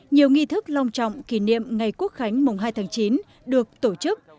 nhiều nghi thức long trọng kỷ niệm ngày quốc khánh mùng hai tháng chín được tổ chức